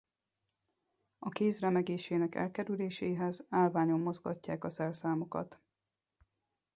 A kéz remegésének elkerüléséhez állványon mozgatják a szerszámokat.